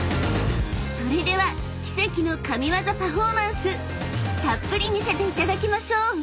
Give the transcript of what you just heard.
［それでは奇跡の神ワザパフォーマンスたっぷり見せていただきましょう］